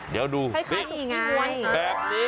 เดี๋ยวดูนี่แบบนี้ครับคล้ายกินอย่างไร